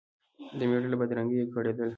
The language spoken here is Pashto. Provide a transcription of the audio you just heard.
د مېړه له بدرنګیه کړېدله